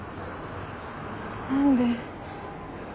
何で？